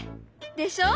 でしょ？